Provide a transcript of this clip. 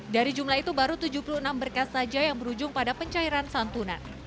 dari jumlah itu baru tujuh puluh enam berkas saja yang berujung pada pencairan santunan